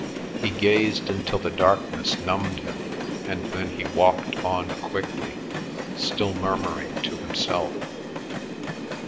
He gazed until the darkness numbed him, and then he walked on quickly, still murmuring to himself.